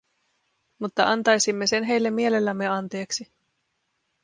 Mutta antaisimme sen heille mielellämme anteeksi.